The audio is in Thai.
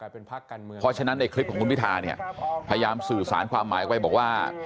เพราะฉะนั้นในคลิปของคุณพิธาเนี่ยพยายามสื่อสารความหมายไว้บอกว่า